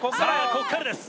ここからです